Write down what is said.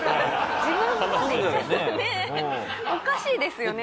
おかしいですよね？